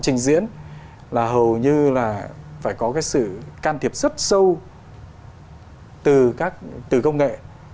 trình diễn là hầu như là phải có cái sự can thiệp rất sâu từ công nghệ